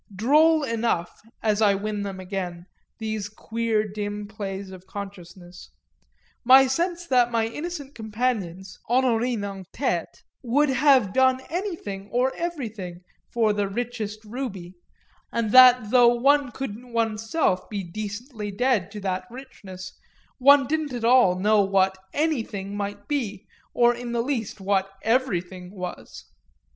Droll enough, as I win them again, these queer dim plays of consciousness: my sense that my innocent companions, Honorine en tête, would have done anything or everything for the richest ruby, and that though one couldn't one's self be decently dead to that richness one didn't at all know what "anything" might be or in the least what "everything" was.